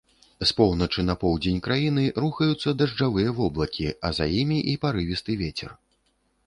З поўначы на поўдзень краіны рухаюцца дажджавыя воблакі, а з імі і парывісты вецер.